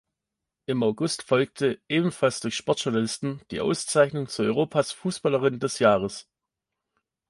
Im August folgte, ebenfalls durch Sportjournalisten, die Auszeichnung zu Europas Fußballerin des Jahres.